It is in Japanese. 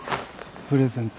プレゼント